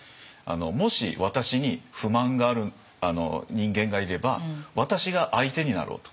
もし私に不満がある人間がいれば私が相手になろうと。